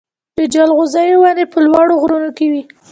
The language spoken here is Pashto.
د جلغوزیو ونې په لوړو غرونو کې وي.